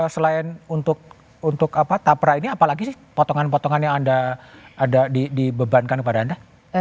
selain untuk tapra ini apalagi sih potongan potongan yang anda dibebankan kepada anda